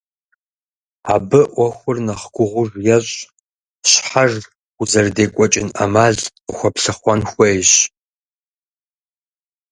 Абы Ӏуэхур нэхъ гугъуж ещӀ – щхьэж узэрыдекӀуэкӀын Ӏэмал къыхуэплъыхъуэн хуейщ.